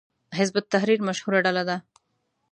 حزب التحریر مشهوره ډله ده